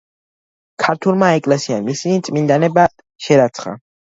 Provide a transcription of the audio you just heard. ქართულმა ეკლესიამ ისინი წმინდანებად შერაცხა.